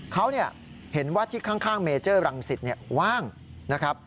เขาเห็นว่าที่ข้างเมเจอร์รังสิตว่างนะครับ